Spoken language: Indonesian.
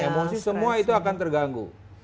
emosi semua itu akan terganggu